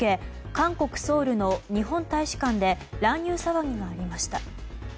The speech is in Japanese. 韓国ソウルの日本大使館で乱入騒ぎがありました。